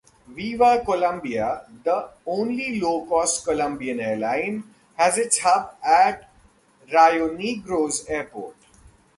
VivaColombia, the only low-cost Colombian airline, has its hub at Rionegro's Airport.